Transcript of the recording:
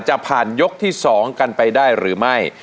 จะผ่านยกที่๒กันไปได้หรือไม่